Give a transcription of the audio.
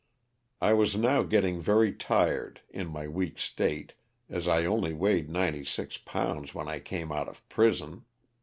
I was now getting very tired, in my weak state, as I only weighed 96 pounds when I came out of prison.